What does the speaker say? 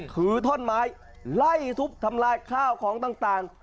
ถือท่อนไม้ไล่ทุบทำลายข้าวของต่าง